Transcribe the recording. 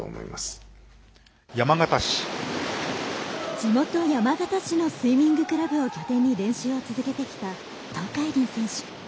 地元、山形市のスイミングクラブを拠点に練習を続けてきた東海林選手。